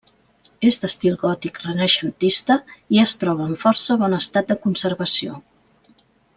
És d'estil gòtic-renaixentista i es troba en força bon estat de conservació.